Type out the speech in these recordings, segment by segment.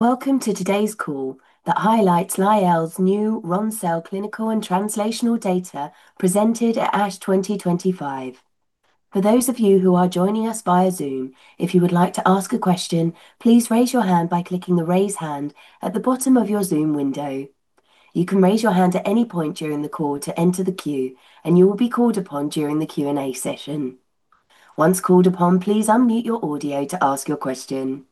Welcome to today's call that highlights Lyell's new ronde-cel clinical and translational data presented at ASH 2025. For those of you who are joining us via Zoom, if you would like to ask a question, please raise your hand by clicking the raise hand at the bottom of your Zoom window. You can raise your hand at any point during the call to enter the queue, and you will be called upon during the Q&A session. Once called upon, please unmute your audio to ask your question.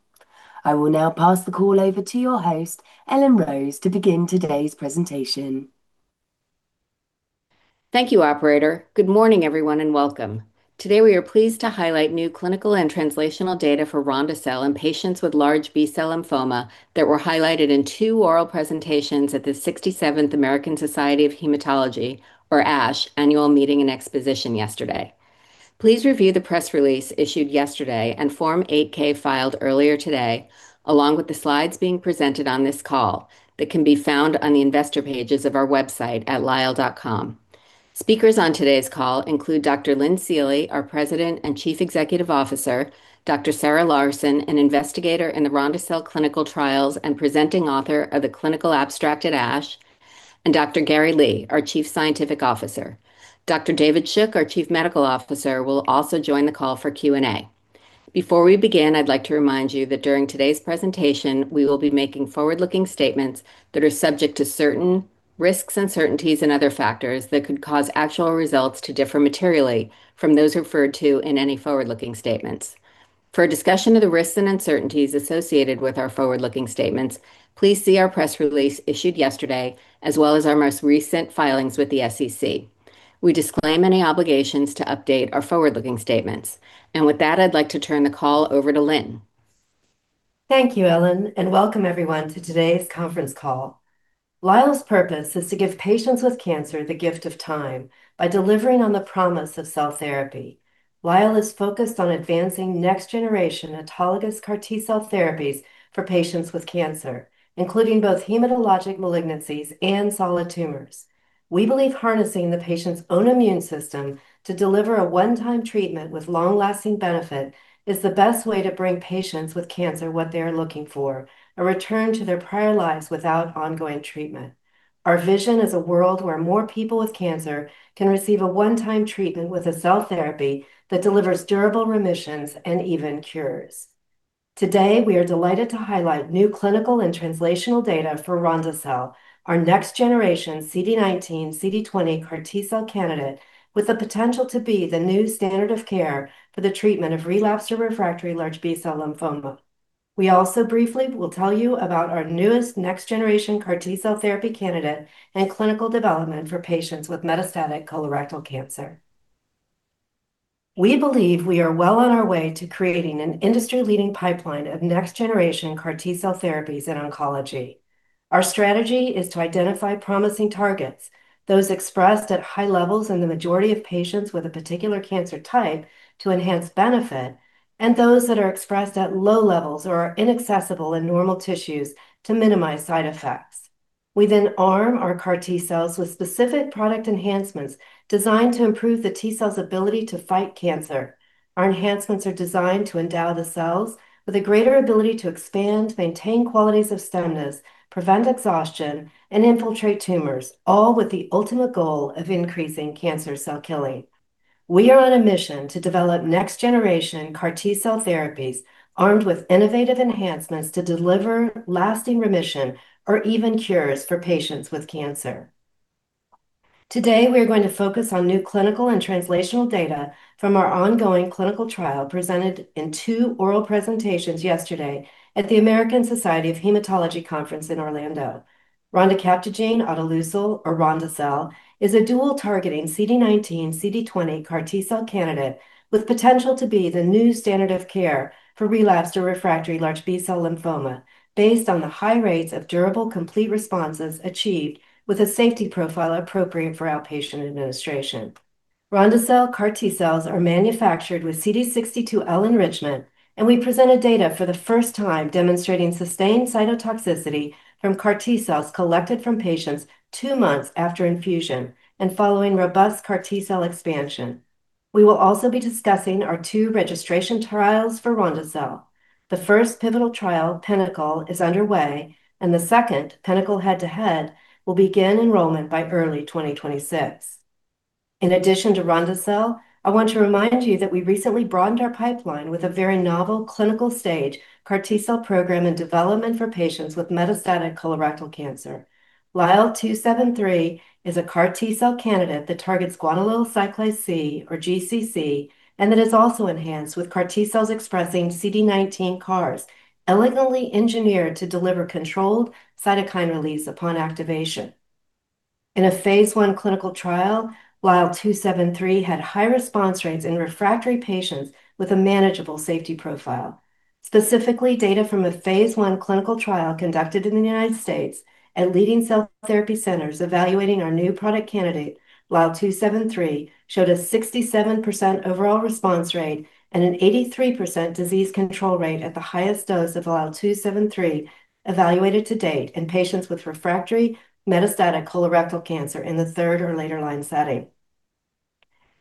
I will now pass the call over to your host, Ellen Rose, to begin today's presentation. Thank you, Operator. Good morning, everyone, and welcome. Today we are pleased to highlight new clinical and translational data for ronde-cel in patients with large B-cell lymphoma that were highlighted in two oral presentations at the 67th American Society of Hematology, or ASH, annual meeting and exposition yesterday. Please review the press release issued yesterday and Form 8-K filed earlier today, along with the slides being presented on this call that can be found on the investor pages of our website at lyell.com. Speakers on today's call include Dr. Lynn Seely, our President and Chief Executive Officer; Dr. Sarah Larson, an investigator in the ronde-cel clinical trials and presenting author of the clinical abstract at ASH; and Dr. Gary Lee, our Chief Scientific Officer. Dr. David Shook, our Chief Medical Officer, will also join the call for Q&A. Before we begin, I'd like to remind you that during today's presentation, we will be making forward-looking statements that are subject to certain risks, uncertainties, and other factors that could cause actual results to differ materially from those referred to in any forward-looking statements. For a discussion of the risks and uncertainties associated with our forward-looking statements, please see our press release issued yesterday, as well as our most recent filings with the SEC. We disclaim any obligations to update our forward-looking statements. And with that, I'd like to turn the call over to Lynn. Thank you, Ellen, and welcome everyone to today's conference call. Lyell's purpose is to give patients with cancer the gift of time by delivering on the promise of cell therapy. Lyell is focused on advancing next-generation autologous CAR T-cell therapies for patients with cancer, including both hematologic malignancies and solid tumors. We believe harnessing the patient's own immune system to deliver a one-time treatment with long-lasting benefit is the best way to bring patients with cancer what they are looking for: a return to their prior lives without ongoing treatment. Our vision is a world where more people with cancer can receive a one-time treatment with a cell therapy that delivers durable remissions and even cures. Today, we are delighted to highlight new clinical and translational data for ronde-cel, our next-generation CD19/CD20 CAR T-cell candidate with the potential to be the new standard of care for the treatment of relapsed or refractory large B-cell lymphoma. We also briefly will tell you about our newest next-generation CAR T-cell therapy candidate and clinical development for patients with metastatic colorectal cancer. We believe we are well on our way to creating an industry-leading pipeline of next-generation CAR T-cell therapies in oncology. Our strategy is to identify promising targets, those expressed at high levels in the majority of patients with a particular cancer type to enhance benefit, and those that are expressed at low levels or are inaccessible in normal tissues to minimize side effects. We then arm our CAR T-cells with specific product enhancements designed to improve the T-cell's ability to fight cancer. Our enhancements are designed to endow the cells with a greater ability to expand, maintain qualities of stemness, prevent exhaustion, and infiltrate tumors, all with the ultimate goal of increasing cancer cell killing. We are on a mission to develop next-generation CAR T-cell therapies armed with innovative enhancements to deliver lasting remission or even cures for patients with cancer. Today, we are going to focus on new clinical and translational data from our ongoing clinical trial presented in two oral presentations yesterday at the American Society of Hematology Conference in Orlando. Ronacabtagene autoleucel, or ronde-cel, is a dual-targeting CD19/CD20 CAR T-cell candidate with potential to be the new standard of care for relapsed or refractory large B-cell lymphoma based on the high rates of durable complete responses achieved with a safety profile appropriate for outpatient administration. Ronde-cel CAR T-cells are manufactured with CD62L enrichment, and we presented data for the first time demonstrating sustained cytotoxicity from CAR T-cells collected from patients two months after infusion and following robust CAR T-cell expansion. We will also be discussing our two registration trials for ronde-cel. The first pivotal trial, PiNACLE, is underway, and the second, PiNACLE Head-to-Head, will begin enrollment by early 2026. In addition to ronde-cell, I want to remind you that we recently broadened our pipeline with a very novel clinical stage CAR T-cell program in development for patients with metastatic colorectal cancer. LYL273 is a CAR T-cell candidate that targets guanylyl cyclase C, or GCC, and that is also enhanced with CAR T-cells expressing CD19 CARs, elegantly engineered to deliver controlled cytokine release upon activation. In a Phase 1 clinical trial, LYL273 had high response rates in refractory patients with a manageable safety profile. Specifically, data from a Phase 1 clinical trial conducted in the United States at leading cell therapy centers evaluating our new product candidate, LYL273, showed a 67% overall response rate and an 83% disease control rate at the highest dose of LYL273 evaluated to date in patients with refractory metastatic colorectal cancer in the third or later line setting.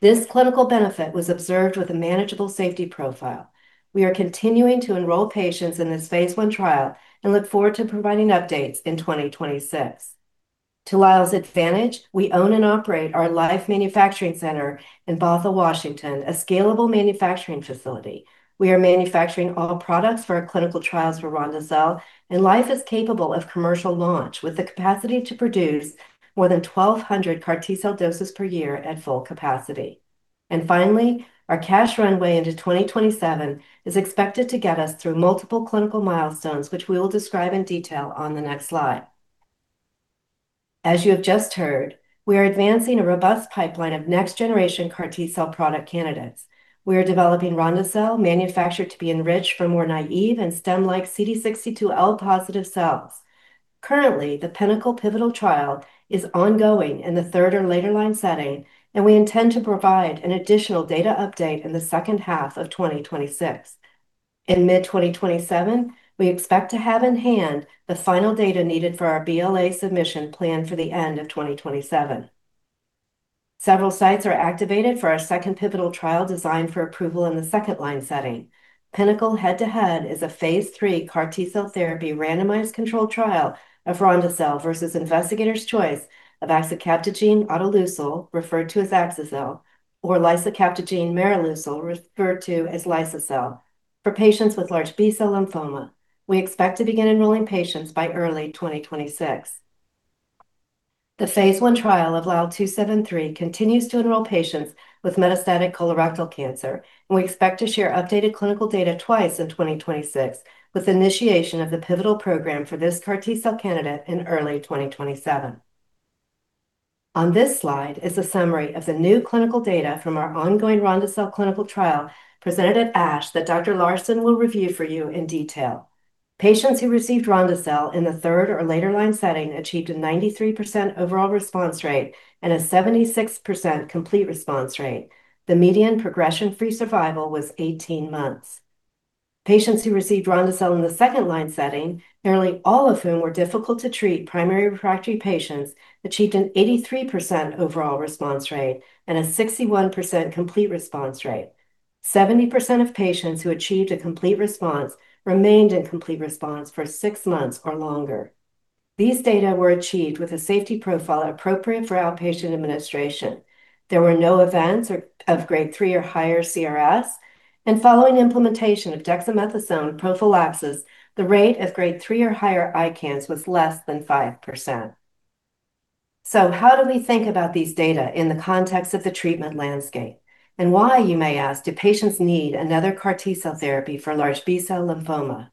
This clinical benefit was observed with a manageable safety profile. We are continuing to enroll patients in this Phase 1 trial and look forward to providing updates in 2026. To Lyell's advantage, we own and operate our Lyell Manufacturing Center in Bothell, Washington, a scalable manufacturing facility. We are manufacturing all products for our clinical trials for ronde-cel, and Lyell is capable of commercial launch with the capacity to produce more than 1,200 CAR T-cell doses per year at full capacity. Finally, our cash runway into 2027 is expected to get us through multiple clinical milestones, which we will describe in detail on the next slide. As you have just heard, we are advancing a robust pipeline of next-generation CAR T-cell product candidates. We are developing ronde-cel manufactured to be enriched for more naive and stem-like CD62L-positive cells. Currently, the PiNACLE pivotal trial is ongoing in the third or later line setting, and we intend to provide an additional data update in the second half of 2026. In mid-2027, we expect to have in hand the final data needed for our BLA submission planned for the end of 2027. Several sites are activated for our second pivotal trial designed for approval in the second-line setting. PiNACLE Head-to-Head is a Phase 3 CAR T-cell therapy randomized control trial of ronde-cel versus investigators' choice of axicabtagene ciloleucel, referred to as, or lisocabtagene maraleucel, referred to as liso-cel, for patients with large B-cell lymphoma. We expect to begin enrolling patients by early 2026. The Phase 1 trial of LYL273 continues to enroll patients with metastatic colorectal cancer, and we expect to share updated clinical data twice in 2026 with initiation of the pivotal program for this CAR T-cell candidate in early 2027. On this slide is a summary of the new clinical data from our ongoing ronde-cel clinical trial presented at ASH that Dr. Larson will review for you in detail. Patients who received ronde-cel in the third or later line setting achieved a 93% overall response rate and a 76% complete response rate. The median progression-free survival was 18 months. Patients who received ronde-cel in the second line setting, nearly all of whom were difficult to treat primary refractory patients, achieved an 83% overall response rate and a 61% complete response rate. 70% of patients who achieved a complete response remained in complete response for six months or longer. These data were achieved with a safety profile appropriate for outpatient administration. There were no events of Grade 3 or higher CRS, and following implementation of dexamethasone prophylaxis, the rate of Grade 3 or higher ICANS was less than 5%. So how do we think about these data in the context of the treatment landscape? And why, you may ask, do patients need another CAR T-cell therapy for large B-cell lymphoma?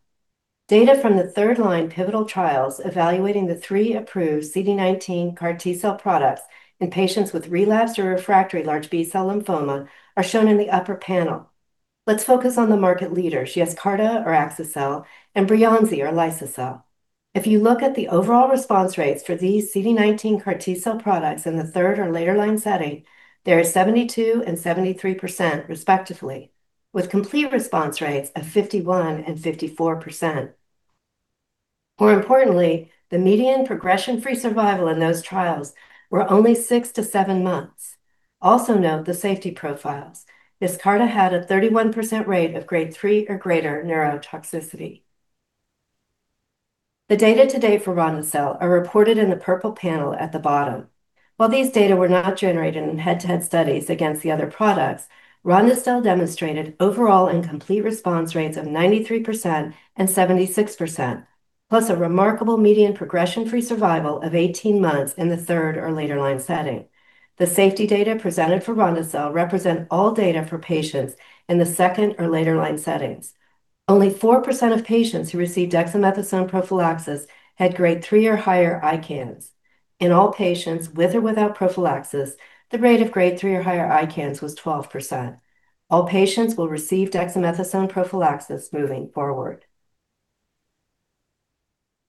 Data from the third-line pivotal trials evaluating the three approved CD19 CAR T-cell products in patients with relapsed or refractory large B-cell lymphoma are shown in the upper panel. Let's focus on the market leaders, Yescarta, or axi-cel, and Breyanzi, or liso-cel. If you look at the overall response rates for these CD19 CAR T-cell products in the third or later line setting, they are 72% and 73%, respectively, with complete response rates of 51% and 54%. More importantly, the median progression-free survival in those trials was only six to seven months. Also note the safety profiles. Yescarta had a 31% rate of Grade 3 or greater neurotoxicity. The data to date for ronde-cel are reported in the purple panel at the bottom. While these data were not generated in head-to-head studies against the other products, ronde-cel demonstrated overall and complete response rates of 93% and 76%, plus a remarkable median progression-free survival of 18 months in the third or later line setting. The safety data presented for ronde-cel represent all data for patients in the second or later line settings. Only 4% of patients who received dexamethasone prophylaxis had Grade 3 or higher ICANS. In all patients with or without prophylaxis, the rate of Grade 3 or higher ICANS was 12%. All patients will receive dexamethasone prophylaxis moving forward.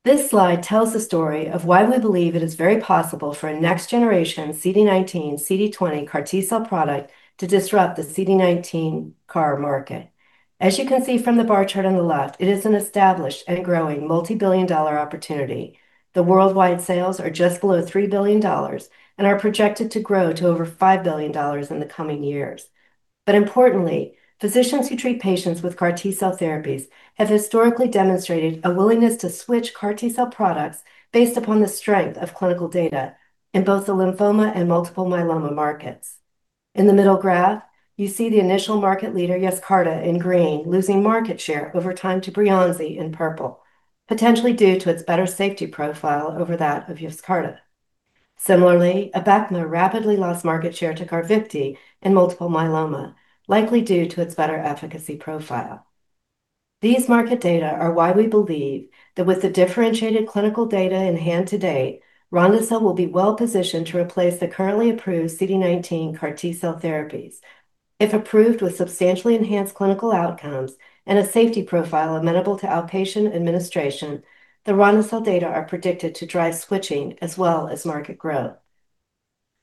This slide tells the story of why we believe it is very possible for a next-generation CD19/CD20 CAR T-cell product to disrupt the CD19 CAR market. As you can see from the bar chart on the left, it is an established and growing multi-billion-dollar opportunity. The worldwide sales are just below $3 billion and are projected to grow to over $5 billion in the coming years. But importantly, physicians who treat patients with CAR T-cell therapies have historically demonstrated a willingness to switch CAR T-cell products based upon the strength of clinical data in both the lymphoma and multiple myeloma markets. In the middle graph, you see the initial market leader, Yescarta, in green, losing market share over time to Breyanzi in purple, potentially due to its better safety profile over that of Yescarta. Similarly, Abecma rapidly lost market share to Carvykti in multiple myeloma, likely due to its better efficacy profile. These market data are why we believe that with the differentiated clinical data in hand to date, ronde-cel will be well positioned to replace the currently approved CD19 CAR T-cell therapies. If approved with substantially enhanced clinical outcomes and a safety profile amenable to outpatient administration, the ronde-cel data are predicted to drive switching as well as market growth.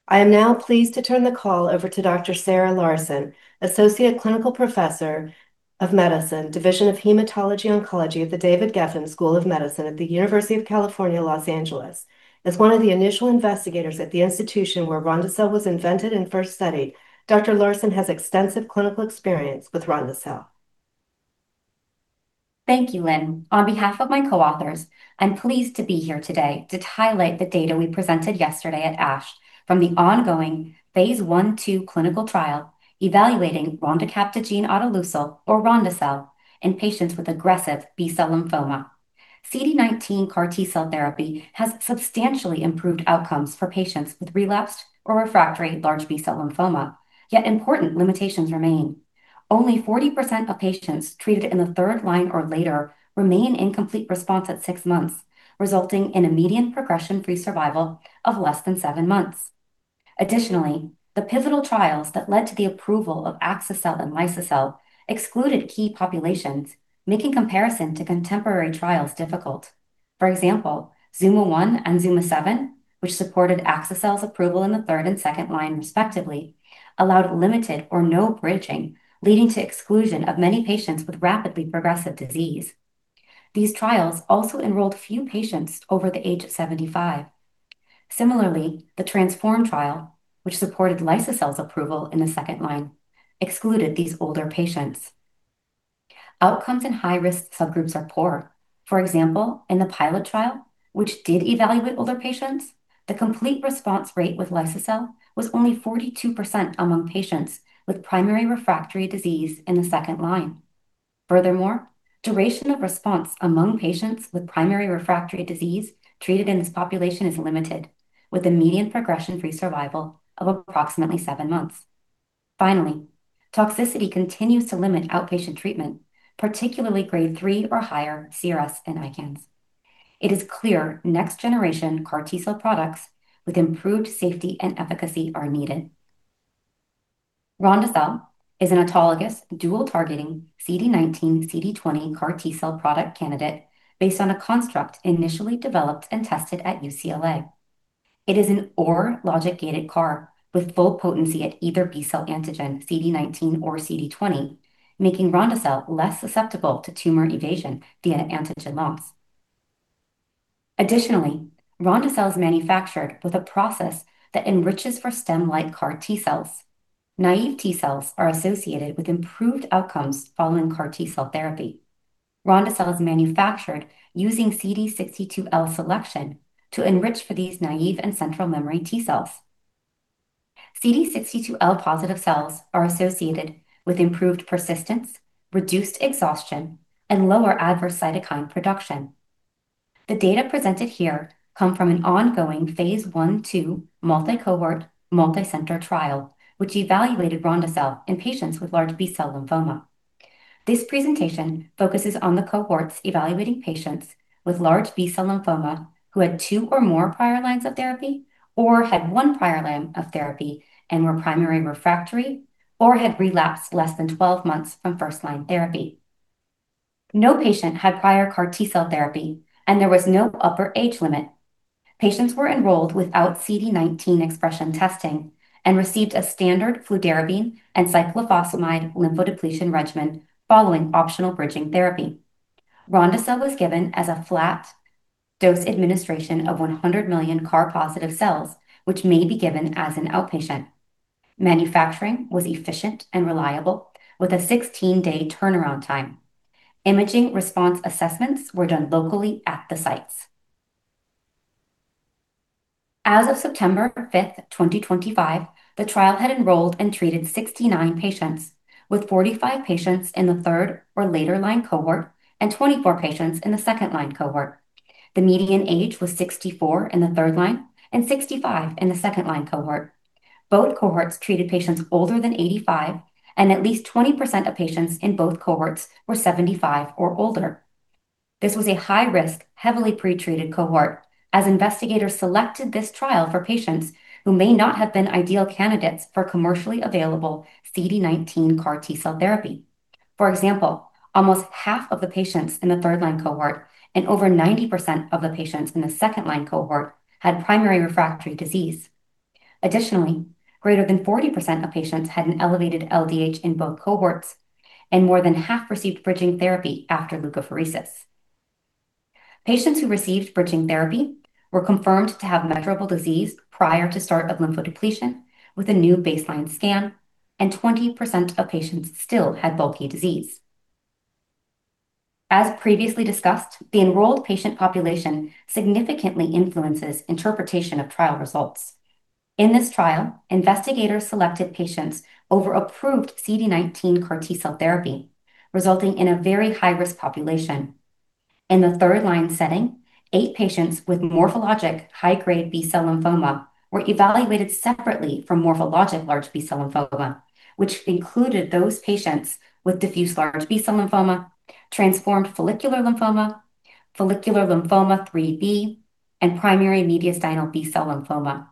I am now pleased to turn the call over to Dr. Sarah Larson, Associate Clinical Professor of Medicine, Division of Hematology Oncology at the David Geffen School of Medicine at the University of California, Los Angeles. As one of the initial investigators at the institution where ronde-cel was invented and first studied, Dr. Larson has extensive clinical experience with ronde-cel. Thank you, Lynn. On behalf of my co-authors, I'm pleased to be here today to highlight the data we presented yesterday at ASH from the ongoing Phase 1/2 clinical trial evaluating Ronacabtagene autoleucel, or ronde-cel, in patients with aggressive B-cell lymphoma. CD19 CAR T-cell therapy has substantially improved outcomes for patients with relapsed or refractory large B-cell lymphoma, yet important limitations remain. Only 40% of patients treated in the third line or later remain in complete response at six months, resulting in a median progression-free survival of less than seven months. Additionally, the pivotal trials that led to the approval of axi-cel and liso-cel excluded key populations, making comparison to contemporary trials difficult. For example, ZUMA-1 and ZUMA-7, which supported axi-cel's approval in the third and second line, respectively, allowed limited or no bridging, leading to exclusion of many patients with rapidly progressive disease. These trials also enrolled few patients over the age of 75. Similarly, the TRANSFORM trial, which supported liso-cel's approval in the second line, excluded these older patients. Outcomes in high-risk subgroups are poor. For example, in the PILOT trial, which did evaluate older patients, the complete response rate with liso-cel was only 42% among patients with primary refractory disease in the second line. Furthermore, duration of response among patients with primary refractory disease treated in this population is limited, with a median progression-free survival of approximately seven months. Finally, toxicity continues to limit outpatient treatment, particularly Grade 3 or higher CRS and ICANS. It is clear next-generation CAR T-cell products with improved safety and efficacy are needed. ronde-cel is an autologous dual-targeting CD19/CD20 CAR T-cell product candidate based on a construct initially developed and tested at UCLA. It is an OR logic-gated CAR with full potency at either B-cell antigen CD19 or CD20, making ronde-cel less susceptible to tumor evasion via antigen loss. Additionally, ronde-cel is manufactured with a process that enriches for stem-like CAR T-cells. Naive T-cells are associated with improved outcomes following CAR T-cell therapy. Ronacabtagene autoleucel is manufactured using CD62L selection to enrich for these naive and central memory T-cells. CD62L-positive cells are associated with improved persistence, reduced exhaustion, and lower adverse cytokine production. The data presented here come from an ongoing Phase 1/2 multicohort multicenter trial, which evaluated ronde-cel in patients with large B-cell lymphoma. This presentation focuses on the cohorts evaluating patients with large B-cell lymphoma who had two or more prior lines of therapy or had one prior line of therapy and were primary refractory or had relapsed less than 12 months from first line therapy. No patient had prior CAR T-cell therapy, and there was no upper age limit. Patients were enrolled without CD19 expression testing and received a standard fludarabine and cyclophosphamide lymphodepletion regimen following optional bridging therapy. ronde-cel was given as a flat dose administration of 100 million CAR positive cells, which may be given as an outpatient. Manufacturing was efficient and reliable with a 16-day turnaround time. Imaging response assessments were done locally at the sites. As of September 5th, 2025, the trial had enrolled and treated 69 patients, with 45 patients in the third or later line cohort and 24 patients in the second line cohort. The median age was 64 in the third line and 65 in the second line cohort. Both cohorts treated patients older than 85, and at least 20% of patients in both cohorts were 75 or older. This was a high-risk, heavily pretreated cohort, as investigators selected this trial for patients who may not have been ideal candidates for commercially available CD19 CAR T-cell therapy. For example, almost half of the patients in the third line cohort and over 90% of the patients in the second line cohort had primary refractory disease. Additionally, greater than 40% of patients had an elevated LDH in both cohorts, and more than half received bridging therapy after leukapheresis. Patients who received bridging therapy were confirmed to have measurable disease prior to start of lymphodepletion with a new baseline scan, and 20% of patients still had bulky disease. As previously discussed, the enrolled patient population significantly influences interpretation of trial results. In this trial, investigators selected patients over approved CD19 CAR T-cell therapy, resulting in a very high-risk population. In the third line setting, eight patients with morphologic high-grade B-cell lymphoma were evaluated separately from morphologic large B-cell lymphoma, which included those patients with diffuse large B-cell lymphoma, transformed follicular lymphoma, follicular lymphoma 3B, and primary mediastinal B-cell lymphoma.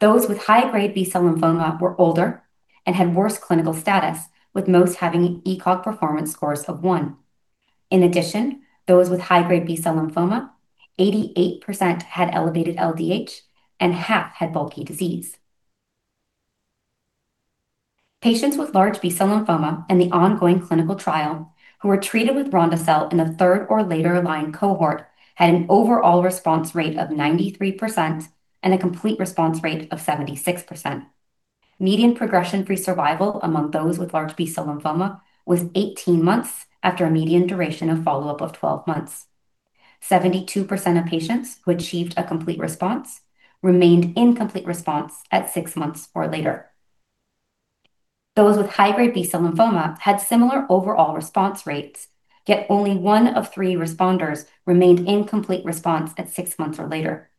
Those with high-grade B-cell lymphoma were older and had worse clinical status, with most having ECOG performance scores of one. In addition, those with high-grade B-cell lymphoma, 88% had elevated LDH, and half had bulky disease. Patients with large B-cell lymphoma in the ongoing clinical trial who were treated with ronde-cel in the third or later line cohort had an overall response rate of 93% and a complete response rate of 76%. Median progression-free survival among those with large B-cell lymphoma was 18 months after a median duration of follow-up of 12 months. 72% of patients who achieved a complete response remained in complete response at six months or later. Those with high-grade B-cell lymphoma had similar overall response rates, yet only one of three responders remained in complete response at six months or later.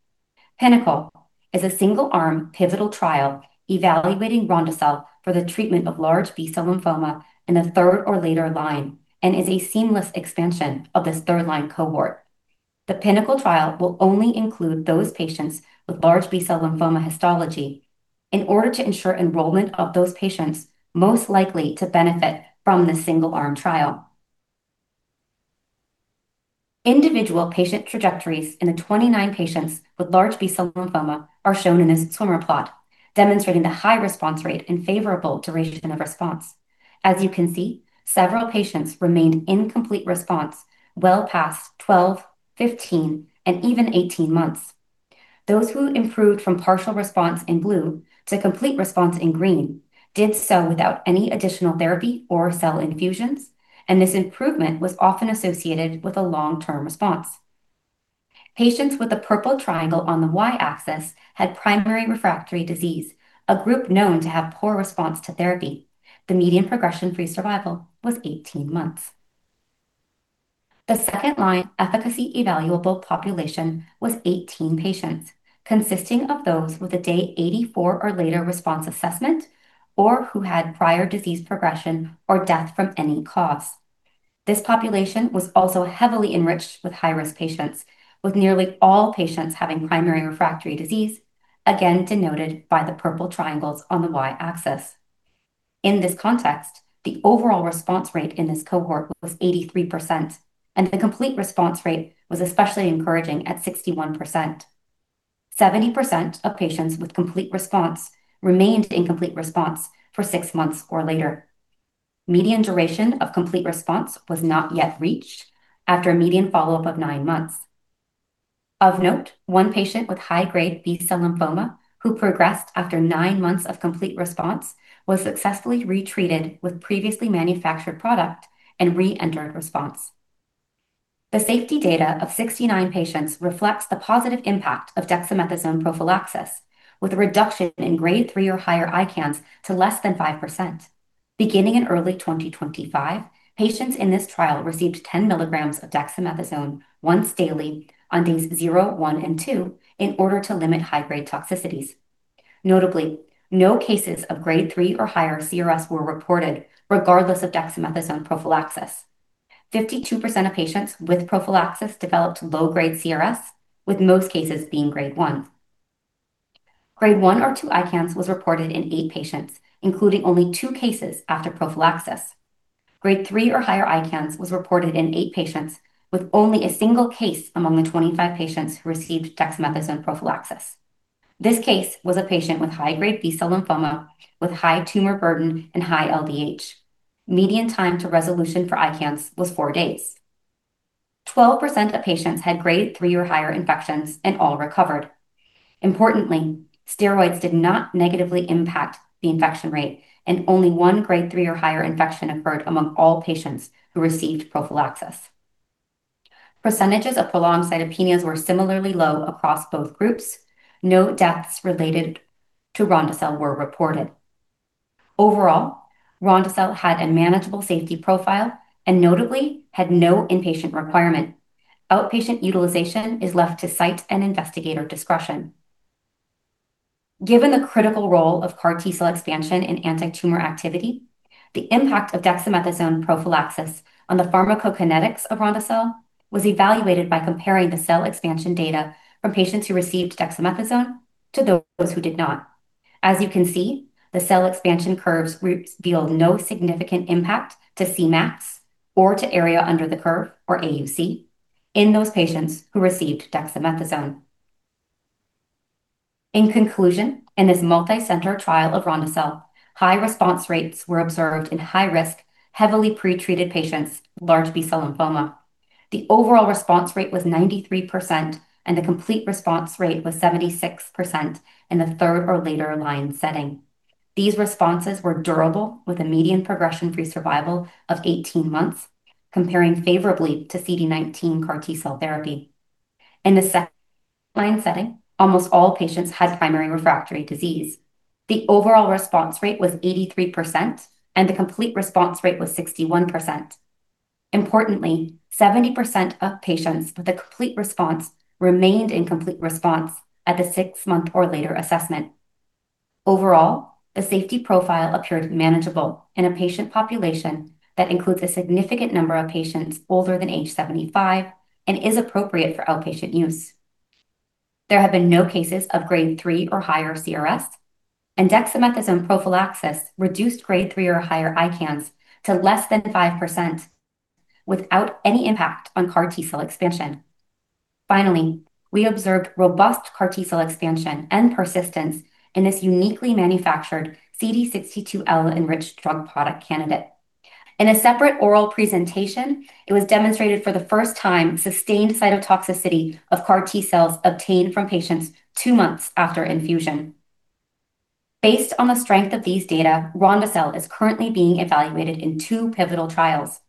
PiNACLE is a single-arm pivotal trial evaluating ronde-cel for the treatment of large B-cell lymphoma in the third or later line and is a seamless expansion of this third line cohort. The PiNACLE trial will only include those patients with large B-cell lymphoma histology in order to ensure enrollment of those patients most likely to benefit from the single-arm trial. Individual patient trajectories in the 29 patients with large B-cell lymphoma are shown in this swimmer plot, demonstrating the high response rate and favorable duration of response. As you can see, several patients remained in complete response well past 12, 15, and even 18 months. Those who improved from partial response in blue to complete response in green did so without any additional therapy or cell infusions, and this improvement was often associated with a long-term response. Patients with the purple triangle on the y-axis had primary refractory disease, a group known to have poor response to therapy. The median progression-free survival was 18 months. The second line efficacy evaluable population was 18 patients, consisting of those with a day 84 or later response assessment or who had prior disease progression or death from any cause. This population was also heavily enriched with high-risk patients, with nearly all patients having primary refractory disease, again denoted by the purple triangles on the y-axis. In this context, the overall response rate in this cohort was 83%, and the complete response rate was especially encouraging at 61%. 70% of patients with complete response remained in complete response for six months or later. Median duration of complete response was not yet reached after a median follow-up of nine months. Of note, one patient with high-grade B-cell lymphoma who progressed after nine months of complete response was successfully retreated with previously manufactured product and re-entered response. The safety data of 69 patients reflects the positive impact of dexamethasone prophylaxis, with a reduction in Grade 3 or higher ICANS to less than 5%. Beginning in early 2025, patients in this trial received 10 milligrams of dexamethasone once daily on days zero, one, and two in order to limit high-grade toxicities. Notably, no cases of Grade 3 or higher CRS were reported regardless of dexamethasone prophylaxis. 52% of patients with prophylaxis developed low-grade CRS, with most cases being Grade 1. Grade 1 or 2 ICANS was reported in eight patients, including only two cases after prophylaxis. Grade 3 or higher ICANS was reported in eight patients, with only a single case among the 25 patients who received dexamethasone prophylaxis. This case was a patient with high-grade B-cell lymphoma with high tumor burden and high LDH. Median time to resolution for ICANS was four days. 12% of patients had grade three or higher infections and all recovered. Importantly, steroids did not negatively impact the infection rate, and only one grade three or higher infection occurred among all patients who received prophylaxis. Percentages of prolonged cytopenias were similarly low across both groups. No deaths related to ronde-cel were reported. Overall, ronde-cel had a manageable safety profile and notably had no inpatient requirement. Outpatient utilization is left to site and investigator discretion. Given the critical role of CAR T-cell expansion in anti-tumor activity, the impact of dexamethasone prophylaxis on the pharmacokinetics of ronde-cel was evaluated by comparing the cell expansion data from patients who received dexamethasone to those who did not. As you can see, the cell expansion curves reveal no significant impact to Cmax or to area under the curve, or AUC, in those patients who received dexamethasone. In conclusion, in this multicenter trial of ronde-cel, high response rates were observed in high-risk, heavily pretreated patients with large B-cell lymphoma. The overall response rate was 93%, and the complete response rate was 76% in the third or later line setting. These responses were durable, with a median progression-free survival of 18 months, comparing favorably to CD19 CAR T-cell therapy. In the second line setting, almost all patients had primary refractory disease. The overall response rate was 83%, and the complete response rate was 61%. Importantly, 70% of patients with a complete response remained in complete response at the six-month or later assessment. Overall, the safety profile appeared manageable in a patient population that includes a significant number of patients older than age 75 and is appropriate for outpatient use. There have been no cases of Grade 3 or higher CRS, and dexamethasone prophylaxis reduced Grade 3 or higher ICANS to less than 5% without any impact on CAR T-cell expansion. Finally, we observed robust CAR T-cell expansion and persistence in this uniquely manufactured CD62L-enriched drug product candidate. In a separate oral presentation, it was demonstrated for the first time sustained cytotoxicity of CAR T-cells obtained from patients two months after infusion. Based on the strength of these data, ronde-cel is currently being evaluated in two pivotal trials.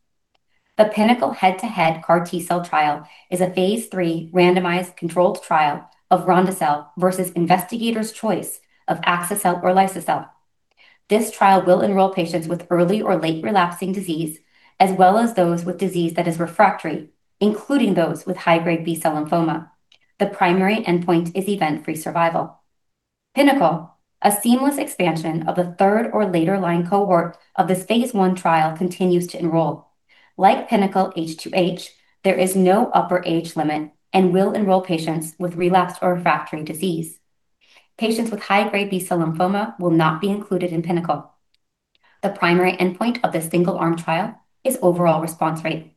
The PiNACLE Head-to-Head CAR T-cell trial is a Phase 3 randomized controlled trial of ronde-cel versus investigators' choice of axi-cel or liso-cel. This trial will enroll patients with early or late relapsing disease, as well as those with disease that is refractory, including those with high-grade B-cell lymphoma. The primary endpoint is event-free survival. PiNACLE, a seamless expansion of the third or later line cohort of this Phase 1 trial, continues to enroll. Like PiNACLE-H2H, there is no upper age limit and will enroll patients with relapsed or refractory disease. Patients with high-grade B-cell lymphoma will not be included in PiNACLE. The primary endpoint of this single-arm trial is overall response rate.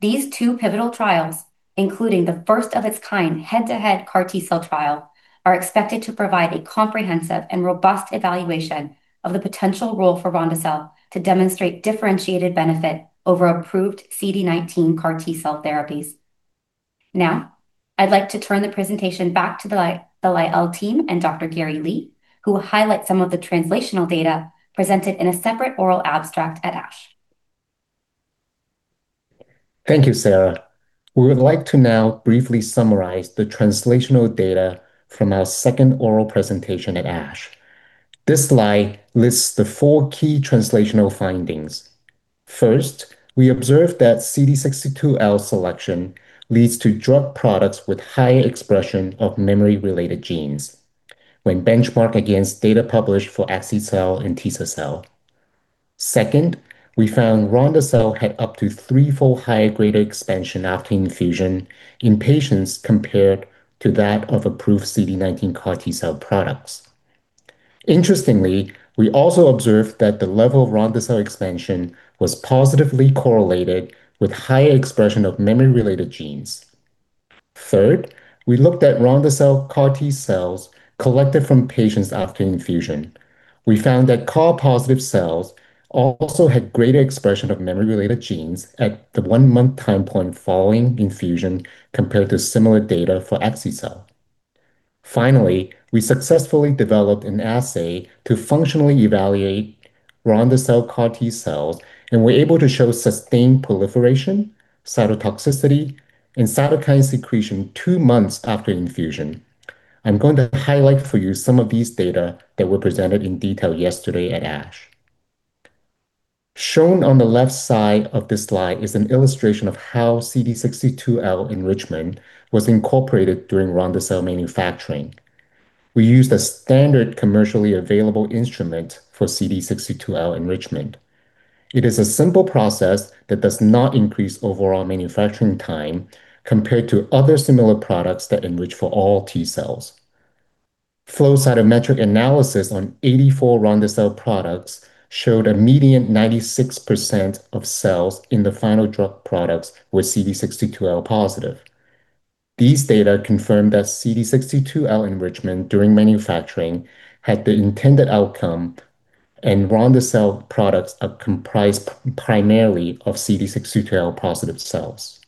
These two pivotal trials, including the first of its kind head-to-head CAR T-cell trial, are expected to provide a comprehensive and robust evaluation of the potential role for ronde-cel to demonstrate differentiated benefit over approved CD19 CAR T-cell therapies. Now, I'd like to turn the presentation back to the Lyell team and Dr. Gary Lee, who will highlight some of the translational data presented in a separate oral abstract at ASH. Thank you, Sarah. We would like to now briefly summarize the translational data from our second oral presentation at ASH. This slide lists the four key translational findings. First, we observed that CD62L selection leads to drug products with high expression of memory-related genes when benchmarked against data published for axi-cel and tisa-cel. Second, we found ronde-cel had up to three-fold higher grade expansion after infusion in patients compared to that of approved CD19 CAR T-cell products. Interestingly, we also observed that the level of ronde-cel expansion was positively correlated with high expression of memory-related genes. Third, we looked at ronde-cel CAR T-cells collected from patients after infusion. We found that CAR-positive cells also had greater expression of memory-related genes at the one-month time point following infusion compared to similar data for axi-cel. Finally, we successfully developed an assay to functionally evaluate ronde-cel CAR T-cells and were able to show sustained proliferation, cytotoxicity, and cytokine secretion two months after infusion. I'm going to highlight for you some of these data that were presented in detail yesterday at ASH. Shown on the left side of this slide is an illustration of how CD62L enrichment was incorporated during ronde-cel manufacturing. We used a standard commercially available instrument for CD62L enrichment. It is a simple process that does not increase overall manufacturing time compared to other similar products that enrich for all T-cells. Flow cytometric analysis on 84 ronde-cel products showed a median 96% of cells in the final drug products were CD62L-positive. These data confirmed that CD62L enrichment during manufacturing had the intended outcome, and ronde-cel products are comprised primarily of CD62L-positive cells.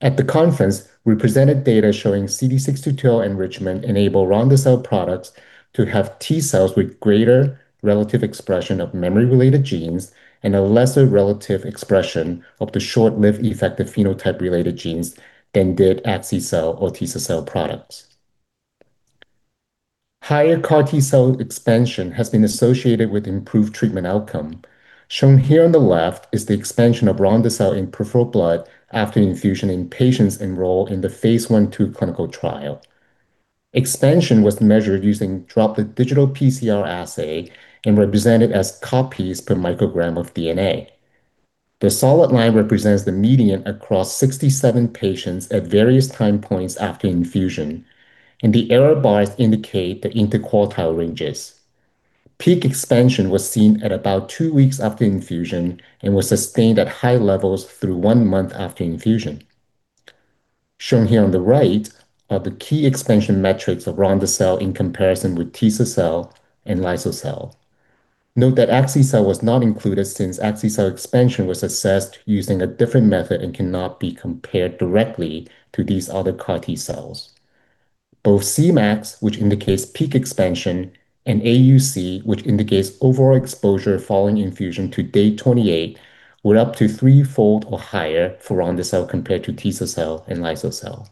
At the conference, we presented data showing CD62L enrichment enables ronde-cel products to have T-cells with greater relative expression of memory-related genes and a lesser relative expression of the short-lived effector phenotype-related genes than did axi-cel or tisa-cel products. Higher CAR T-cell expansion has been associated with improved treatment outcome. Shown here on the left is the expansion of ronde-cel in peripheral blood after infusion in patients enrolled in the Phase 1/2 clinical trial. Expansion was measured using droplet digital PCR assay and represented as copies per microgram of DNA. The solid line represents the median across 67 patients at various time points after infusion, and the arrow bars indicate the interquartile ranges. Peak expansion was seen at about two weeks after infusion and was sustained at high levels through one month after infusion. Shown here on the right are the key expansion metrics of ronde-cel in comparison with tisa-cel and liso-cel. Note that axi-cel was not included since axi-cel expansion was assessed using a different method and cannot be compared directly to these other CAR T-cells. Both Cmax, which indicates peak expansion, and AUC, which indicates overall exposure following infusion to day 28, were up to threefold or higher for ronde-cel compared to tisa-cel and liso-cel.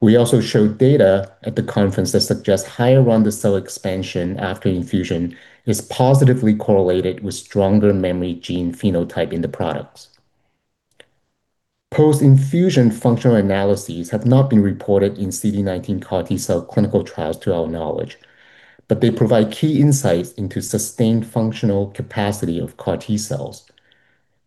We also showed data at the conference that suggests higher ronde-cel expansion after infusion is positively correlated with stronger memory gene phenotype in the products. Post-infusion functional analyses have not been reported in CD19 CAR T-cell clinical trials to our knowledge, but they provide key insights into sustained functional capacity of CAR T-cells.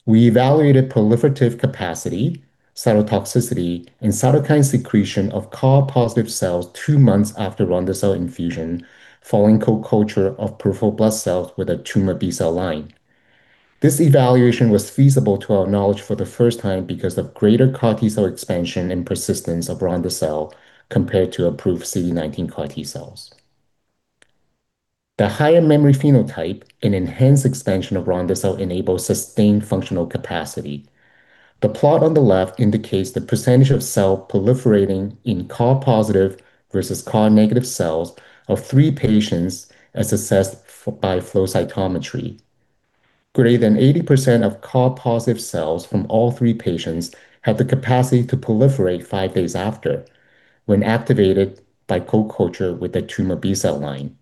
We evaluated proliferative capacity, cytotoxicity, and cytokine secretion of CAR-positive cells two months after ronde-cel infusion following co-culture of peripheral blood cells with a tumor B-cell line. This evaluation was feasible to our knowledge for the first time because of greater CAR T-cell expansion and persistence of ronde-cel compared to approved CD19 CAR T-cells. The higher memory phenotype and enhanced expansion of ronde-cel enables sustained functional capacity. The plot on the left indicates the percentage of cells proliferating in CAR-positive versus CAR-negative cells of three patients as assessed by flow cytometry. Greater than 80% of CAR-positive cells from all three patients had the capacity to proliferate five days after when activated by co-culture with a tumor B-cell line.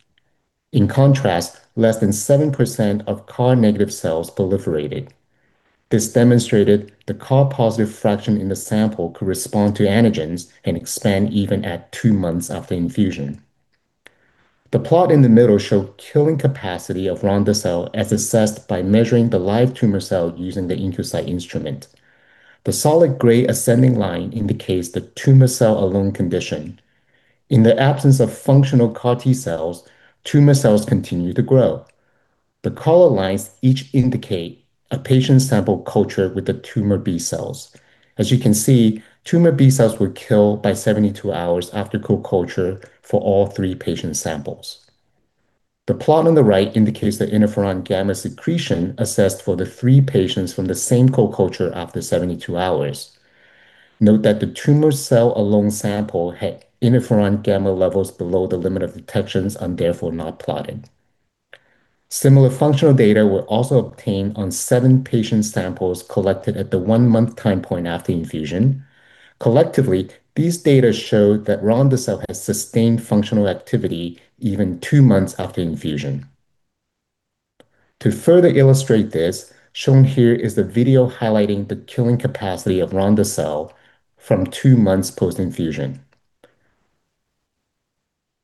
In contrast, less than 7% of CAR-negative cells proliferated. This demonstrated the CAR-positive fraction in the sample could respond to antigens and expand even at two months after infusion. The plot in the middle showed killing capacity of ronde-cel as assessed by measuring the live tumor cell using the Incucyte instrument. The solid gray ascending line indicates the tumor cell alone condition. In the absence of functional CAR T-cells, tumor cells continue to grow. The color lines each indicate a patient sample culture with the tumor B-cells. As you can see, tumor B-cells were killed by 72 hours after co-culture for all three patient samples. The plot on the right indicates the interferon gamma secretion assessed for the three patients from the same co-culture after 72 hours. Note that the tumor cell alone sample had interferon gamma levels below the limit of detection and therefore not plotted. Similar functional data were also obtained on seven patient samples collected at the one-month time point after infusion. Collectively, these data showed that ronde-cel had sustained functional activity even two months after infusion. To further illustrate this, shown here is the video highlighting the killing capacity of ronde-cel from two months post-infusion.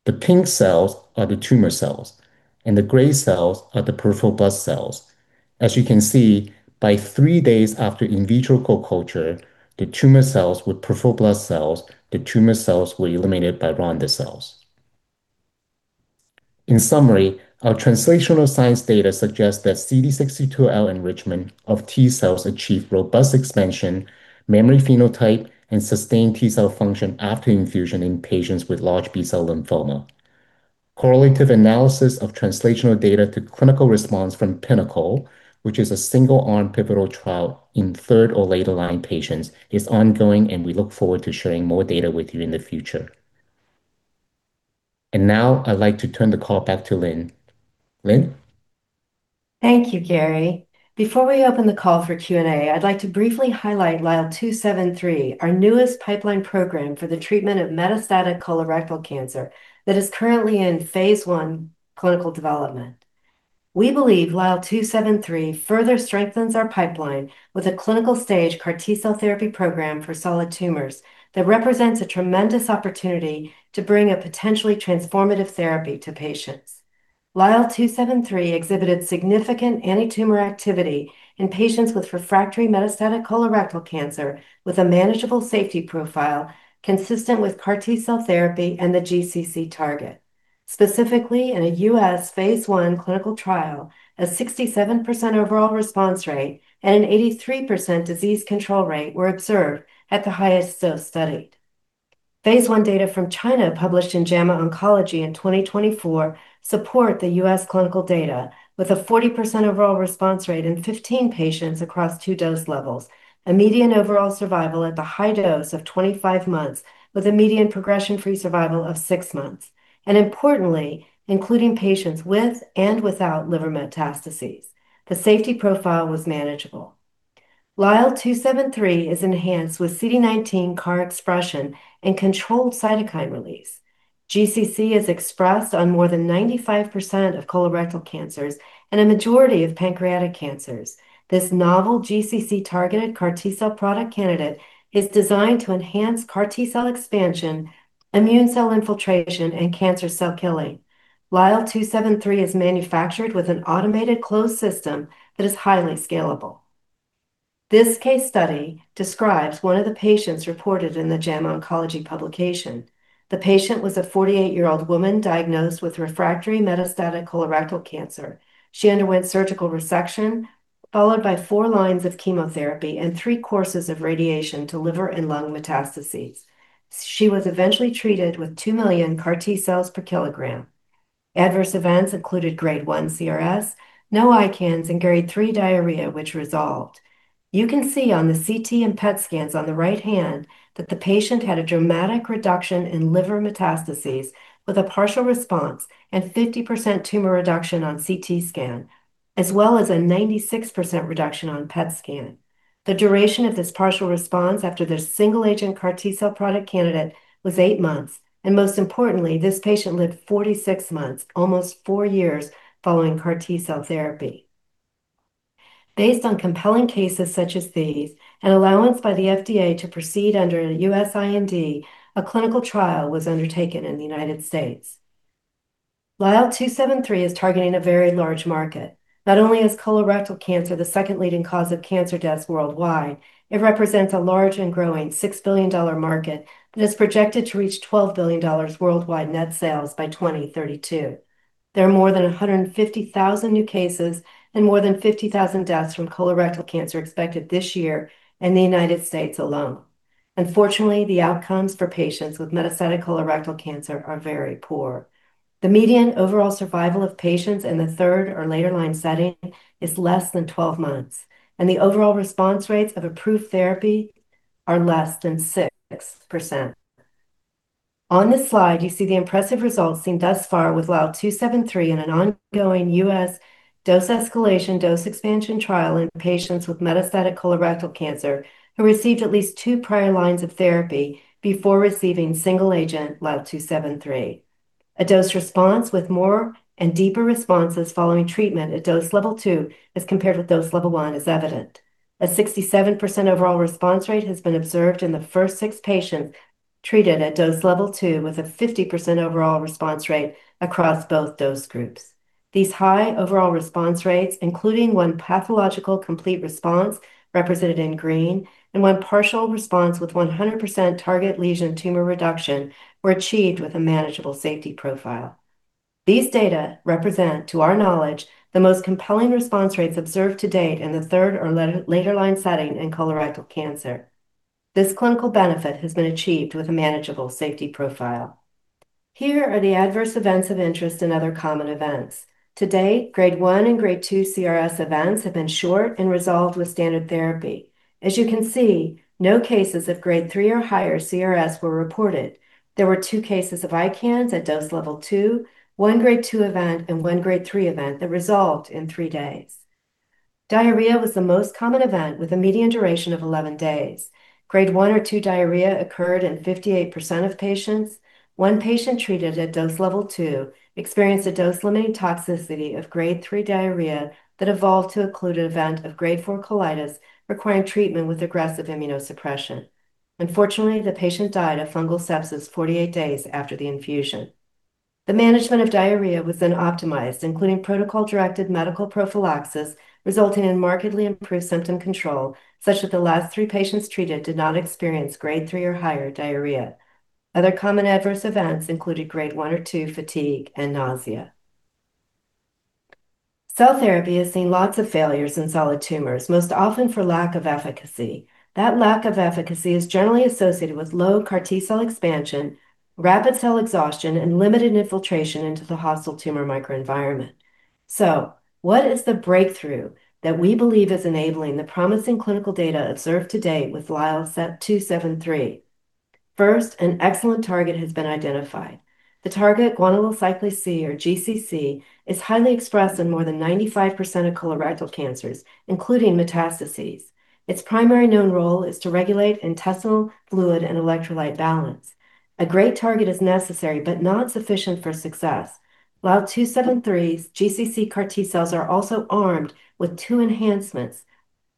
The pink cells are the tumor cells, and the gray cells are the peripheral blood cells. As you can see, by three days after in vitro co-culture, the tumor cells were eliminated by the peripheral blood cells. The tumor cells were eliminated by ronde-cel. In summary, our translational science data suggests that CD62L enrichment of T-cells achieved robust expansion, memory phenotype, and sustained T-cell function after infusion in patients with large B-cell lymphoma. Correlative analysis of translational data to clinical response from PiNACLE, which is a single-arm pivotal trial in third- or later-line patients, is ongoing, and we look forward to sharing more data with you in the future. And now, I'd like to turn the call back to Lynn. Lynn? Thank you, Gary. Before we open the call for Q&A, I'd like to briefly highlight LYL273, our newest pipeline program for the treatment of metastatic colorectal cancer that is currently in Phase 1 clinical development. We believe LYL273 further strengthens our pipeline with a clinical stage CAR T-cell therapy program for solid tumors that represents a tremendous opportunity to bring a potentially transformative therapy to patients. LYL273 exhibited significant anti-tumor activity in patients with refractory metastatic colorectal cancer with a manageable safety profile consistent with CAR T-cell therapy and the GCC target. Specifically, in a U.S. Phase 1 clinical trial, a 67% overall response rate and an 83% disease control rate were observed at the highest dose studied. Phase 1 data from China published in JAMA Oncology in 2024 support the U.S. Clinical data with a 40% overall response rate in 15 patients across two dose levels, a median overall survival at the high dose of 25 months with a median progression-free survival of six months. And importantly, including patients with and without liver metastases, the safety profile was manageable. LYL273 is enhanced with CD19 CAR expression and controlled cytokine release. GCC is expressed on more than 95% of colorectal cancers and a majority of pancreatic cancers. This novel GCC-targeted CAR T-cell product candidate is designed to enhance CAR T-cell expansion, immune cell infiltration, and cancer cell killing. LYL273 is manufactured with an automated closed system that is highly scalable. This case study describes one of the patients reported in the JAMA Oncology publication. The patient was a 48-year-old woman diagnosed with refractory metastatic colorectal cancer. She underwent surgical resection followed by four lines of chemotherapy and three courses of radiation to liver and lung metastases. She was eventually treated with 2 million CAR T-cells per kilogram. Adverse events included Grade 1 CRS, no ICANS, and Grade 3 diarrhea, which resolved. You can see on the CT and PET scans on the right hand that the patient had a dramatic reduction in liver metastases with a partial response and 50% tumor reduction on CT scan, as well as a 96% reduction on PET scan. The duration of this partial response after the single-agent CAR T-cell product candidate was eight months, and most importantly, this patient lived 46 months, almost four years following CAR T-cell therapy. Based on compelling cases such as these and allowance by the FDA to proceed under a U.S. IND, a clinical trial was undertaken in the United States. LYL273 is targeting a very large market. Not only is colorectal cancer the second leading cause of cancer deaths worldwide, it represents a large and growing $6 billion market that is projected to reach $12 billion worldwide net sales by 2032. There are more than 150,000 new cases and more than 50,000 deaths from colorectal cancer expected this year in the United States alone. Unfortunately, the outcomes for patients with metastatic colorectal cancer are very poor. The median overall survival of patients in the third or later line setting is less than 12 months, and the overall response rates of approved therapy are less than 6%. On this slide, you see the impressive results seen thus far with LYL273 in an ongoing U.S. dose escalation dose expansion trial in patients with metastatic colorectal cancer who received at least two prior lines of therapy before receiving single-agent LYL273. A dose response with more and deeper responses following treatment at dose level two as compared with dose level one is evident. A 67% overall response rate has been observed in the first six patients treated at dose level two with a 50% overall response rate across both dose groups. These high overall response rates, including one pathological complete response represented in green and one partial response with 100% target lesion tumor reduction, were achieved with a manageable safety profile. These data represent, to our knowledge, the most compelling response rates observed to date in the third or later line setting in colorectal cancer. This clinical benefit has been achieved with a manageable safety profile. Here are the adverse events of interest and other common events. To date, Grade 1 and Grade 2 CRS events have been short and resolved with standard therapy. As you can see, no cases of Grade 3 or higher CRS were reported. There were two cases of ICANS at dose level two, one Grade 2 event, and one Grade 3 event that resolved in three days. Diarrhea was the most common event with a median duration of 11 days. Grade 1 or 2 diarrhea occurred in 58% of patients. One patient treated at dose level two experienced a dose-limiting toxicity of Grade 3 diarrhea that evolved to an episode of Grade 4 colitis requiring treatment with aggressive immunosuppression. Unfortunately, the patient died of fungal sepsis 48 days after the infusion. The management of diarrhea was then optimized, including protocol-directed medical prophylaxis resulting in markedly improved symptom control, such that the last three patients treated did not experience Grade 3 or higher diarrhea. Other common adverse events included Grade 1 or 2 fatigue and nausea. Cell therapy has seen lots of failures in solid tumors, most often for lack of efficacy. That lack of efficacy is generally associated with low CAR T-cell expansion, rapid cell exhaustion, and limited infiltration into the hostile tumor microenvironment. So what is the breakthrough that we believe is enabling the promising clinical data observed to date with LYL273? First, an excellent target has been identified. The target, guanylyl cyclase C or GCC, is highly expressed in more than 95% of colorectal cancers, including metastases. Its primary known role is to regulate intestinal fluid and electrolyte balance. A great target is necessary, but not sufficient for success. LYL273's GCC CAR T-cells are also armed with two enhancements,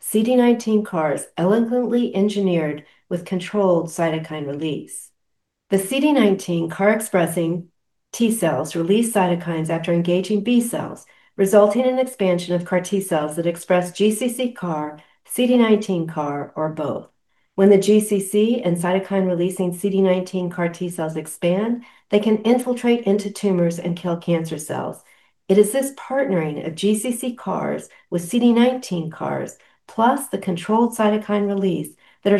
CD19 CARs elegantly engineered with controlled cytokine release. The CD19 CAR expressing T-cells release cytokines after engaging B-cells, resulting in expansion of CAR T-cells that express GCC CAR, CD19 CAR, or both. When the GCC and cytokine-releasing CD19 CAR T-cells expand, they can infiltrate into tumors and kill cancer cells. It is this partnering of GCC CARs with CD19 CARs, plus the controlled cytokine release, that are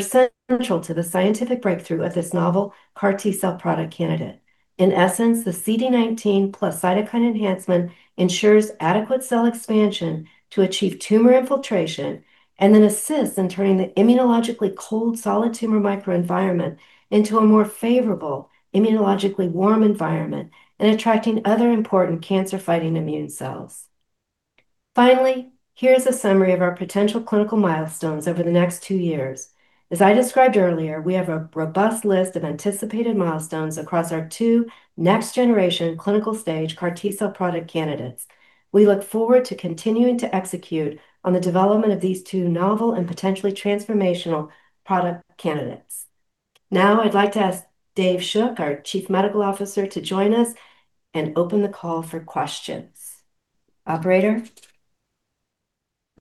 central to the scientific breakthrough of this novel CAR T-cell product candidate. In essence, the CD19 plus cytokine enhancement ensures adequate cell expansion to achieve tumor infiltration and then assists in turning the immunologically cold solid tumor microenvironment into a more favorable immunologically warm environment and attracting other important cancer-fighting immune cells. Finally, here is a summary of our potential clinical milestones over the next two years. As I described earlier, we have a robust list of anticipated milestones across our two next-generation clinical stage CAR T-cell product candidates. We look forward to continuing to execute on the development of these two novel and potentially transformational product candidates. Now, I'd like to ask David Shook, our Chief Medical Officer, to join us and open the call for questions. Operator?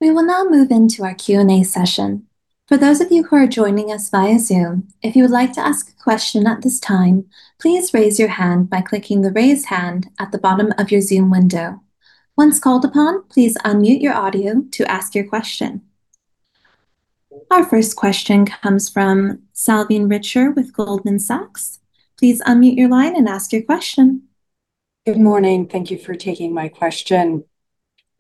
We will now move into our Q&A session. For those of you who are joining us via Zoom, if you would like to ask a question at this time, please raise your hand by clicking the raise hand at the bottom of your Zoom window. Once called upon, please unmute your audio to ask your question. Our first question comes from Salveen Richter with Goldman Sachs. Please unmute your line and ask your question. Good morning. Thank you for taking my question.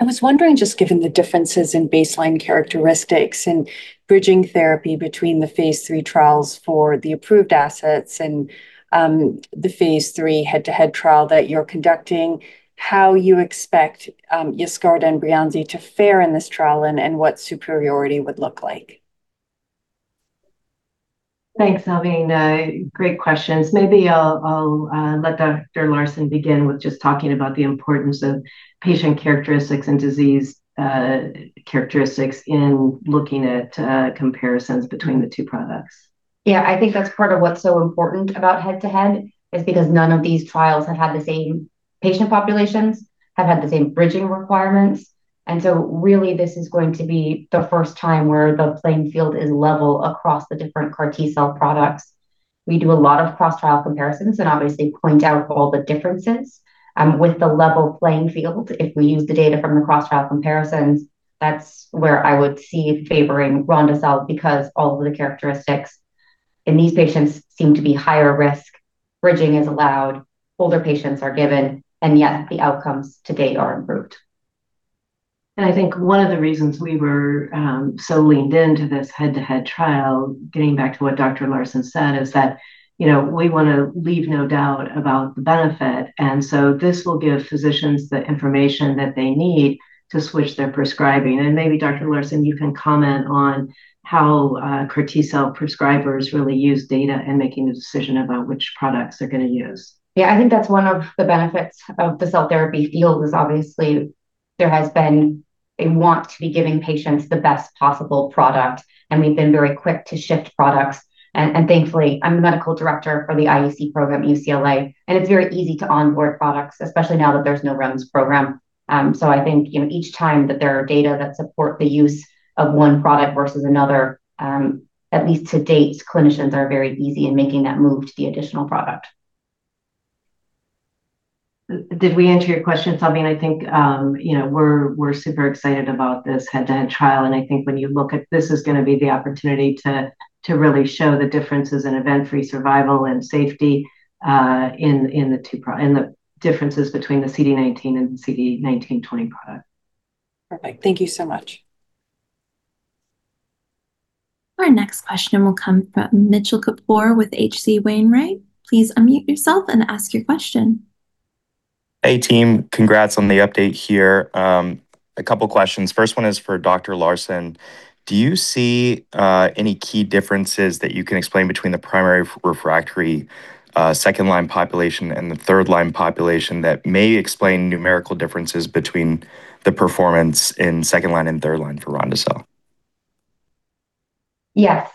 I was wondering, just given the differences in baseline characteristics and bridging therapy between the Phase 3 trials for the approved assets and the Phase 3 head-to-head trial that you're conducting, how you expect Yescarta and Breyanzi to fare in this trial and what superiority would look like? Thanks, Salveen. Great questions. Maybe I'll let Dr. Larson begin with just talking about the importance of patient characteristics and disease characteristics in looking at comparisons between the two products. Yeah, I think that's part of what's so important about head-to-head is because none of these trials have had the same patient populations, have had the same bridging requirements. And so really, this is going to be the first time where the playing field is level across the different CAR T-cell products. We do a lot of cross-trial comparisons and obviously point out all the differences with the level playing field. If we use the data from the cross-trial comparisons, that's where I would see favoring ronde-cel because all of the characteristics in these patients seem to be higher risk. Bridging is allowed. Older patients are given, and yet the outcomes to date are improved. And I think one of the reasons we were so leaned into this head-to-head trial, getting back to what Dr. Larson said, is that we want to leave no doubt about the benefit. And so this will give physicians the information that they need to switch their prescribing. And maybe Dr. Larson, you can comment on how CAR T-cell prescribers really use data and making a decision about which products they're going to use. Yeah, I think that's one of the benefits of the cell therapy field is obviously there has been a want to be giving patients the best possible product. And we've been very quick to shift products. And thankfully, I'm the medical director for the IEC program at UCLA, and it's very easy to onboard products, especially now that there's no REMS program. So I think each time that there are data that support the use of one product versus another, at least to date, clinicians are very easy in making that move to the additional product. Did we answer your question, Salveen? I think we're super excited about this head-to-head trial. And I think when you look at this, it's going to be the opportunity to really show the differences in event-free survival and safety in the differences between the CD19 and the CD19/20 product. Perfect. Thank you so much. Our next question will come from Mitchell Kapoor with H.C. Wainwright & Co. Please unmute yourself and ask your question. Hey, team. Congrats on the update here. A couple of questions. First one is for Dr. Larson. Do you see any key differences that you can explain between the primary refractory second-line population and the third-line population that may explain numerical differences between the performance in second-line and third-line for ronde-cel? Yes.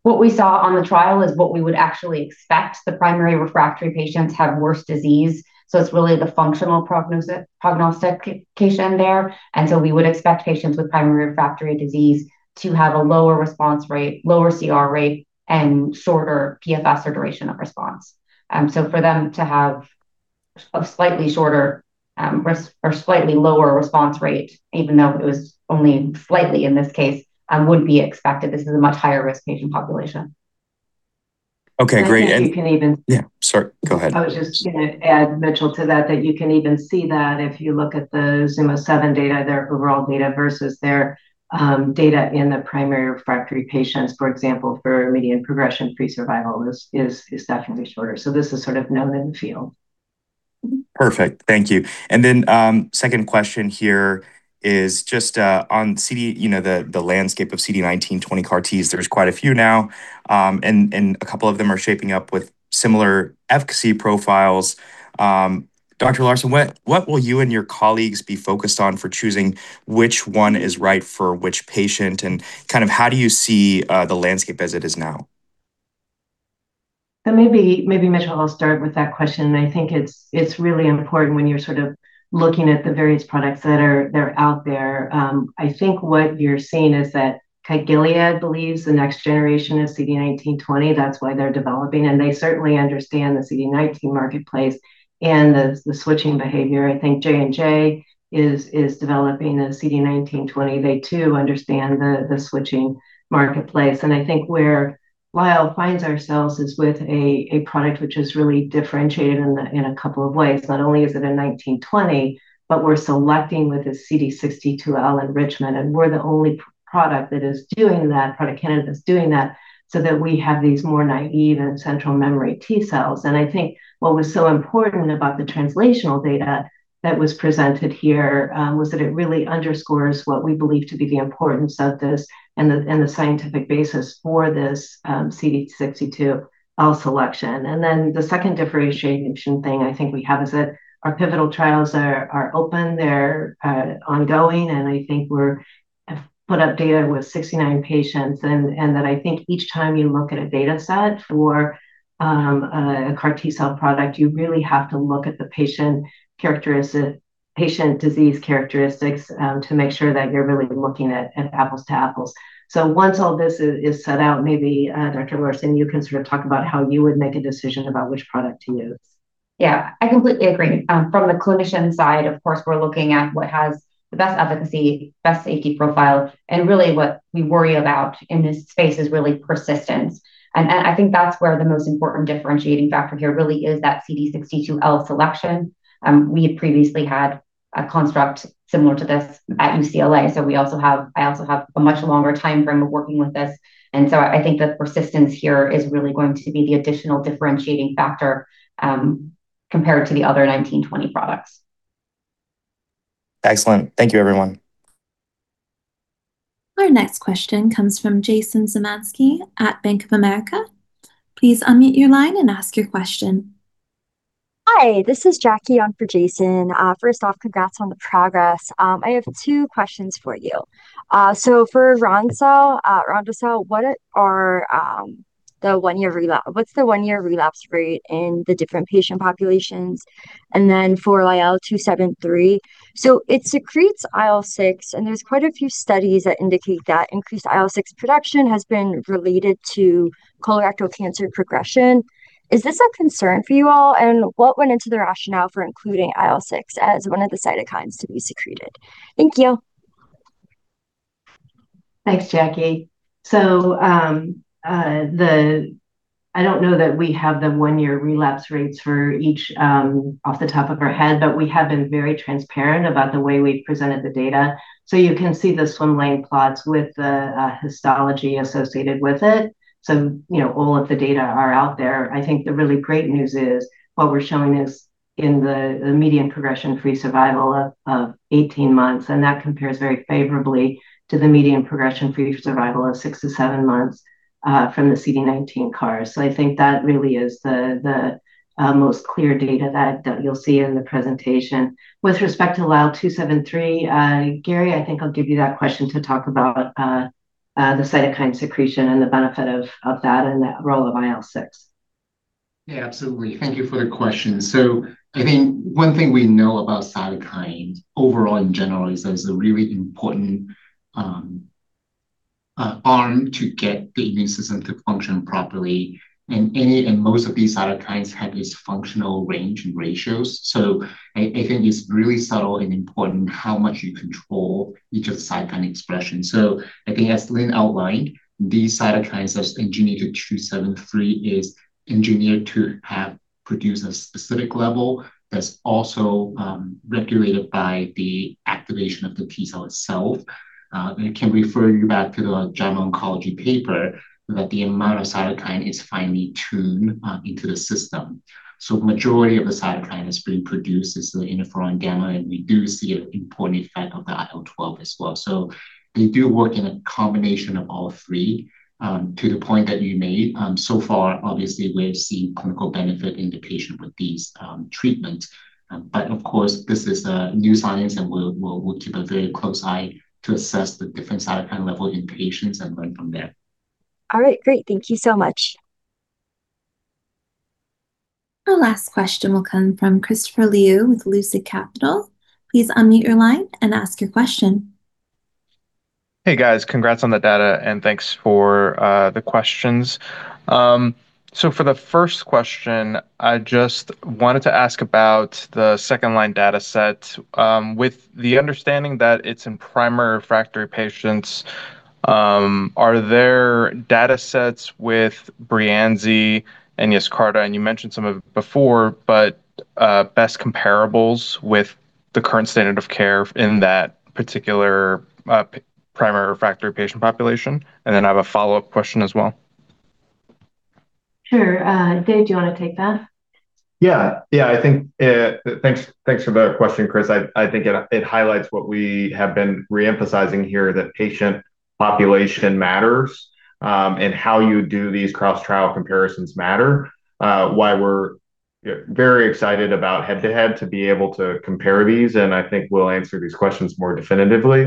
What we saw on the trial is what we would actually expect. The primary refractory patients have worse disease. So it's really the functional prognostication there. And so we would expect patients with primary refractory disease to have a lower response rate, lower CR rate, and shorter PFS or duration of response. So for them to have a slightly shorter or slightly lower response rate, even though it was only slightly in this case, would be expected. This is a much higher risk patient population. Okay, great. And you can even. Yeah, sorry. Go ahead. I was just going to add, Mitchell, to that, that you can even see that if you look at the ZUMA-7 data, their overall data versus their data in the primary refractory patients, for example, for median progression-free survival is definitely shorter. So this is sort of known in the field. Perfect. Thank you. And then second question here is just on the landscape of CD19/20 CAR Ts. There's quite a few now, and a couple of them are shaping up with similar efficacy profiles. Dr. Larson, what will you and your colleagues be focused on for choosing which one is right for which patient? And kind of how do you see the landscape as it is now? And maybe Mitchell, I'll start with that question. I think it's really important when you're sort of looking at the various products that are out there. I think what you're seeing is that Gilead believes the next generation of CD19/20. That's why they're developing. And they certainly understand the CD19 marketplace and the switching behavior. I think J&J is developing a CD19/20. They too understand the switching marketplace. And I think where we find ourselves is with a product which is really differentiated in a couple of ways. Not only is it a 19/20, but we're selecting with a CD62L enrichment. And we're the only product that is doing that. No product candidate is doing that so that we have these more naive and central memory T-cells. And I think what was so important about the translational data that was presented here was that it really underscores what we believe to be the importance of this and the scientific basis for this CD62L selection. And then the second differentiation thing I think we have is that our pivotal trials are open. They're ongoing. And I think we've put up data with 69 patients. And that I think each time you look at a data set for a CAR T-cell product, you really have to look at the patient disease characteristics to make sure that you're really looking at apples to apples. So once all this is set out, maybe Dr. Larson, you can sort of talk about how you would make a decision about which product to use. Yeah, I completely agree. From the clinician side, of course, we're looking at what has the best efficacy, best safety profile. And really what we worry about in this space is really persistence. And I think that's where the most important differentiating factor here really is that CD62L selection. We previously had a construct similar to this at UCLA. So we also have—I also have a much longer time frame of working with this. And so I think the persistence here is really going to be the additional differentiating factor compared to the other 19-20 products. Excellent. Thank you, everyone. Our next question comes from Jason Zemansky at Bank of America. Please unmute your line and ask your question. Hi, this is Jackie on for Jason. First off, congrats on the progress. I have two questions for you. So for ronde-cel, what's the one-year relapse rate in the different patient populations? And then for LYL273, so it secretes IL-6, and there's quite a few studies that indicate that increased IL-6 production has been related to colorectal cancer progression. Is this a concern for you all? And what went into the rationale for including IL-6 as one of the cytokines to be secreted? Thank you. Thanks, Jackie. So I don't know that we have the one-year relapse rates for each off the top of our head, but we have been very transparent about the way we've presented the data. So you can see the swimlane plots with the histology associated with it. So all of the data are out there. I think the really great news is what we're showing is in the median progression-free survival of 18 months. And that compares very favorably to the median progression-free survival of six-seven months from the CD19 CARs. So I think that really is the most clear data that you'll see in the presentation. With respect to LYL273, Gary, I think I'll give you that question to talk about the cytokine secretion and the benefit of that and the role of IL-6. Yeah, absolutely. Thank you for the question. So I think one thing we know about cytokines overall in general is there's a really important arm to get the immune system to function properly. And most of these cytokines have this functional range and ratios. So I think it's really subtle and important how much you control each of the cytokine expressions. So I think, as Lynn outlined, these cytokines, as engineered into LYL273, is engineered to produce a specific level that's also regulated by the activation of the T-cell itself. And I can refer you back to the JAMA Oncology paper that the amount of cytokine is finely tuned in the system. So the majority of the cytokine that's being produced is the interferon gamma. And we do see an important effect of the IL-12 as well. So they do work in a combination of all three to the point that you made. So far, obviously, we've seen clinical benefit in the patient with these treatments. But of course, this is new science, and we'll keep a very close eye to assess the different cytokine level in patients and learn from there. All right, great. Thank you so much. Our last question will come from Christopher Liu with Lucid Capital. Please unmute your line and ask your question. Hey, guys. Congrats on the data. And thanks for the questions. So for the first question, I just wanted to ask about the second-line data set. With the understanding that it's in primary refractory patients, are there data sets with Breyanzi and Yescarta? And you mentioned some of it before, but best comparables with the current standard of care in that particular primary refractory patient population? And then I have a follow-up question as well. Sure. Dave, do you want to take that? Yeah. Yeah, I think thanks for the question, Chris. I think it highlights what we have been reemphasizing here, that patient population matters and how you do these cross-trial comparisons matter, why we're very excited about head-to-head to be able to compare these. And I think we'll answer these questions more definitively.